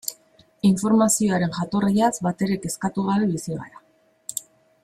Informazioaren jatorriaz batere kezkatu gabe bizi gara.